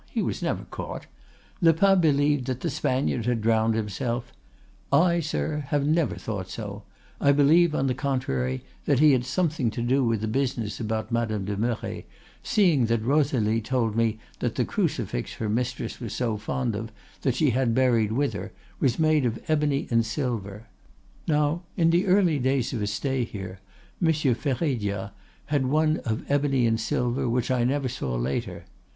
he was never caught. Lepas believed that the Spaniard had drowned himself. I, sir, have never thought so; I believe, on the contrary, that he had something to do with the business about Madame de Merret, seeing that Rosalie told me that the crucifix her mistress was so fond of that she had it buried with her, was made of ebony and silver; now in the early days of his stay here, Monsieur Férédia had one of ebony and silver which I never saw later.